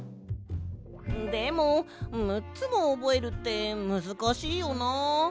でも６つもおぼえるってむずかしいよな。